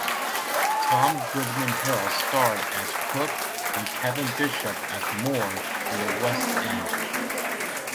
Tom Goodman-Hill starred as Cook and Kevin Bishop as Moore in the West End.